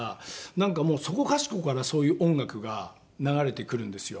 なんかもうそこかしこからそういう音楽が流れてくるんですよ。